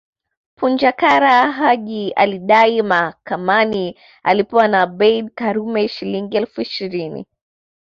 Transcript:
Punja Kara Haji alidai mahakamani alipwe na Abeid Karume Shilingi elfu ishirini